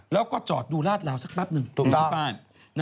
แล้วก็จอดดูลาดราวสักแป๊บหนึ่งตรงที่บ้าน